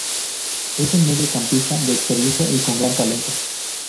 Es un medio campista de experiencia y con gran talento.